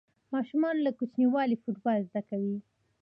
ماشومان له کوچنیوالي فوټبال زده کوي.